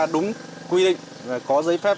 đúng quy định có giấy phép